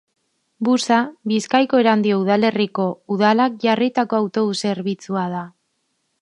Busa Bizkaiko Erandio udalerriko udalak jarritako autobus zerbitzua da.